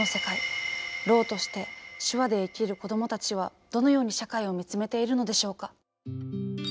ろうとして手話で生きる子どもたちはどのように社会を見つめているのでしょうか。